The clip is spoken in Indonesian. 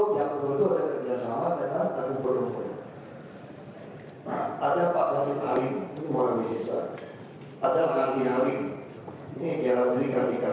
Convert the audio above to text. jadi batas perlindungan yang kita jatuhkan